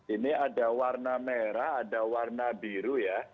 ini ada warna merah ada warna biru ya